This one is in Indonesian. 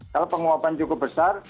kalau penguapan cukup besar